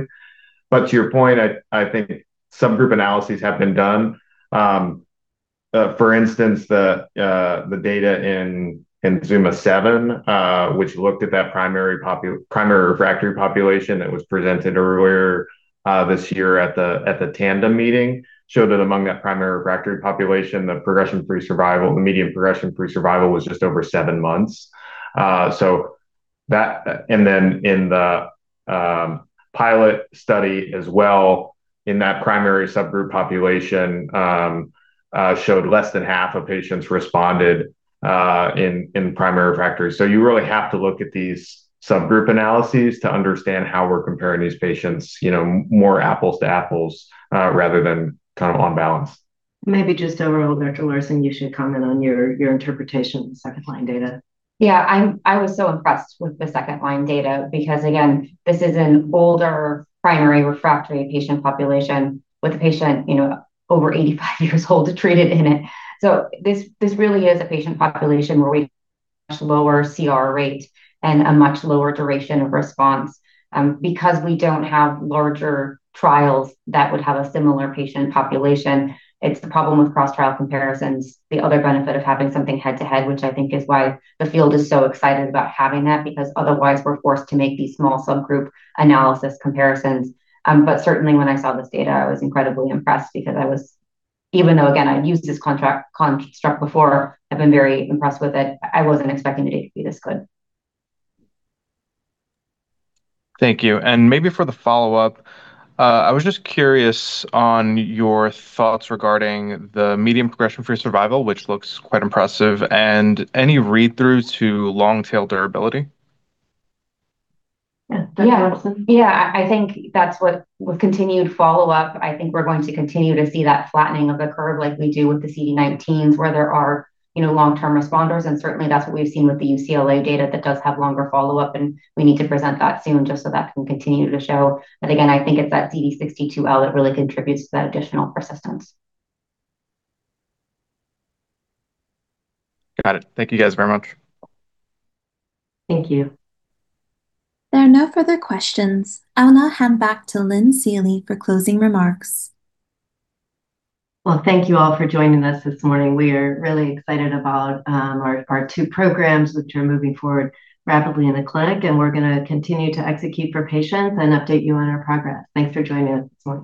But to your point, I think subgroup analyses have been done. For instance, the data in ZUMA-7, which looked at that primary refractory population that was presented earlier this year at the Tandem meeting, showed that among that primary refractory population, the progression-free survival, the median progression-free survival was just over seven months. And then in the PILOT study as well, in that primary subgroup population, showed less than half of patients responded in primary refractory. So you really have to look at these subgroup analyses to understand how we're comparing these patients, more apples to apples rather than kind of on balance. Maybe just overall, Dr. Larson, you should comment on your interpretation of the second-line data. Yeah, I was so impressed with the second-line data because, again, this is an older primary refractory patient population with a patient over 85 years old treated in it. So this really is a patient population where we have a much lower CR rate and a much lower duration of response. Because we don't have larger trials that would have a similar patient population, it's the problem with cross-trial comparisons, the other benefit of having something head-to-head, which I think is why the field is so excited about having that, because otherwise we're forced to make these small subgroup analysis comparisons. But certainly, when I saw this data, I was incredibly impressed because I was, even though, again, I've used this construct before, I've been very impressed with it. I wasn't expecting the data to be this good. Thank you. And maybe for the follow-up, I was just curious on your thoughts regarding the median progression-free survival, which looks quite impressive, and any read-through to long-tail durability? Yeah. Dr. Larson? Yeah. I think that's what, with continued follow-up, I think we're going to continue to see that flattening of the curve like we do with the CD19s where there are long-term responders. And certainly, that's what we've seen with the UCLA data that does have longer follow-up. And we need to present that soon just so that can continue to show. But again, I think it's that CD62L that really contributes to that additional persistence. Got it. Thank you guys very much. Thank you. There are no further questions. I'll now hand back to Lynn Seely for closing remarks. Thank you all for joining us this morning. We are really excited about our two programs which are moving forward rapidly in the clinic. And we're going to continue to execute for patients and update you on our progress. Thanks for joining us this morning.